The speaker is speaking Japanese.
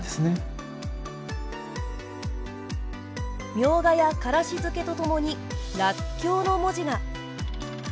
茗荷やからし漬けと共にらっきょうの文字が。